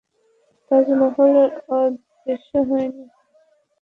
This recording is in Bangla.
তাজমহল অদৃশ্য হয়নি।